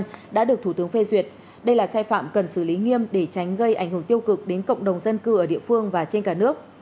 đã được thủ tướng phê duyệt đây là sai phạm cần xử lý nghiêm để tránh gây ảnh hưởng tiêu cực đến cộng đồng dân cư ở địa phương và trên cả nước